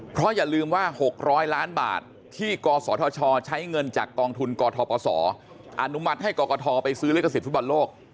เพราะอย่าลืมว่า๖๐๐ล้านบาทที่กศธชใช้เงินจากกองทุนกทปศอนุมัติให้กรกฐไปซื้อลิขสิทธิฟุตบอลโลก